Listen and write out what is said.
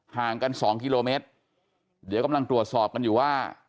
ห่างกันสองกิโลเมตรเดี๋ยวกำลังตรวจสอบกันอยู่ว่า